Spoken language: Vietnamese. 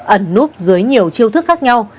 ẩn núp dưới nhiều chiêu thức khác nhau